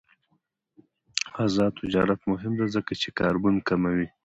آزاد تجارت مهم دی ځکه چې کاربن کموي.